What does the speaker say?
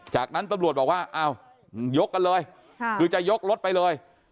จากนั้นตำรวจบอกว่าอ้าวยกกันเลยคือจะยกรถไปเลย